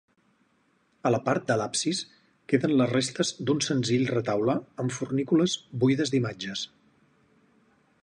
A la part de l'absis queden les restes d'un senzill retaule amb fornícules buides d'imatges.